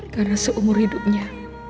karena seumur hidupnya